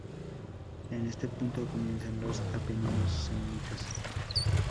En este punto comienzan los Apeninos samnitas.